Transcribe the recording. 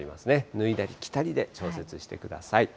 脱いだり着たりで調節してください。